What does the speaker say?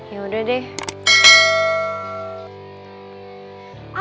ya udah deh ya